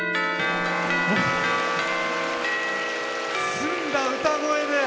澄んだ歌声で。